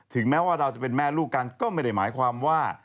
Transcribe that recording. แม้ว่าเราจะเป็นแม่ลูกกันก็ไม่ได้หมายความว่า